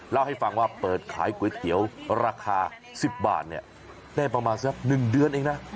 เล่าให้ฟังว่าเปิดขายก๋วยเตี๋ยวราคา๑๐บาทได้ประมาณสัก๑เดือนเองนะ